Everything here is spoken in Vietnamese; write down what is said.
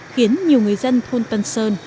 khiến nhiều người dân thôn tân sơn